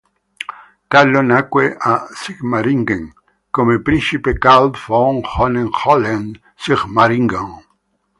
Carlo nacque a Sigmaringen come Principe Karl von Hohenzollern Sigmaringen.